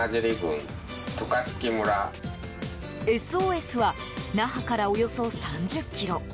ＳＯＳは那覇からおよそ３０ｋｍ。